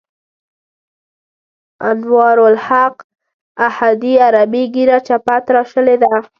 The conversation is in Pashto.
انوارالحق احدي عربي ږیره چپه تراشلې ده.